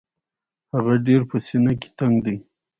هغه ډېر په سینه کې تنګ دی.